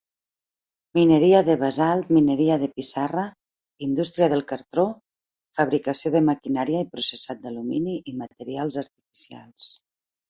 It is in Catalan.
Mineria de basalt, mineria de pissarra, indústria del cartró, fabricació de maquinària i processat d'alumini i materials artificials.